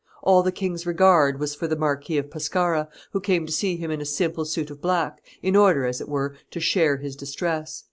All the king's regard was for the Marquis of Pescara, who came to see him in a simple suit of black, in order, as it were, to share his distress.